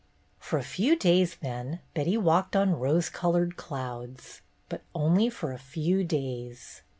'* For a few days, then, Betty walked on rose colored clouds. But only for a few days.